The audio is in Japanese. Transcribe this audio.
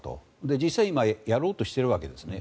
実際、今やろうとしているわけですね。